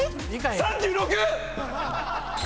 ３６！